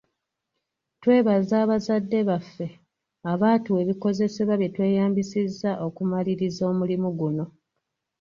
Twebaza bazadde baffe abaatuwa ebikozesebwa bye tweyambisizza okumaliriza omulimu guno.